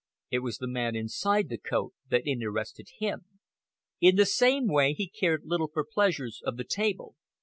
It was the man inside the coat that interested him. In the same way he cared little for the pleasures of the table.